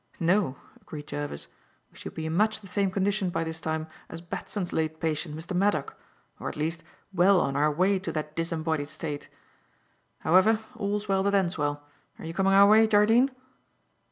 "No," agreed Jervis. "We should be in much the same condition by this time as Batson's late patient, Mr. Maddock, or at least, well on our way to that disembodied state. However, all's well that ends well. Are you coming our way, Jardine?"